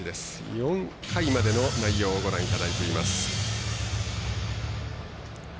４回までの内容をご覧いただいています。